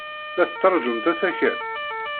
La tettṛajumt asakal?